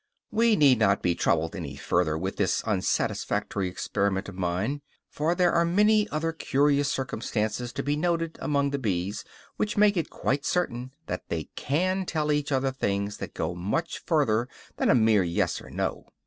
We need not trouble any further with this unsatisfactory experiment of mine, for there are many other curious circumstances to be noted among the bees which make it quite certain that they can tell each other things that go much further than a mere yes or no.